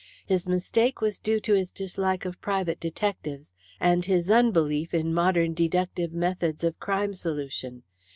His mistake was due to his dislike of private detectives and his unbelief in modern deductive methods of crime solution.